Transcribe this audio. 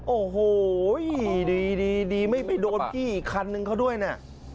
โอ้โหดีไม่ไปโดนพี่อีกคันนึงเขาด้วยนะ